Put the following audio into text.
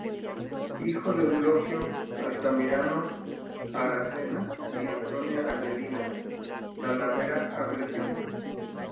Hijo de Eulogio Altamirano Aracena y de Antonia Adelina Talavera Appleby.